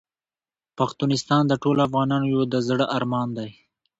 پښتونستان د ټولو افغانانو یو د زړه ارمان دی .